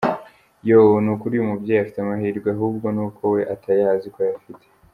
yooooooo, nukuri uyu mubyeyi afite amahirwe ahubwo nuko we atayazi ko ayafite,.